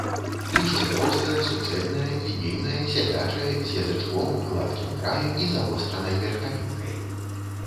Лісце простае, суцэльнае, лінейнае, сядзячае, з язычком, гладкім краем і завостранай верхавінкай.